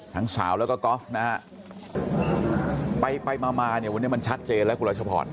ทั้งสาวแล้วก็กอล์ฟนะฮะไปมาเนี้ยวันนี้มันชัดเจนแล้วกุราชพร